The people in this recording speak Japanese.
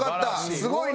すごいね！